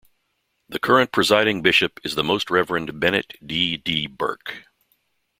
The current Presiding Bishop is the Most Reverend Bennett D. D. Burke.